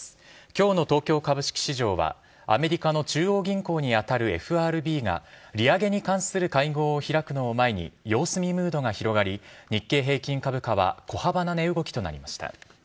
きょうの東京株式市場は、アメリカの中央銀行に当たるＦＲＢが、利上げに関する会合を開くのを前に様子見ムードが広がり、日経平均株価は小幅な値動きとなりました。